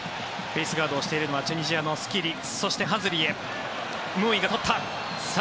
フェースガードをしているのはチュニジアのスキリムーイが取った。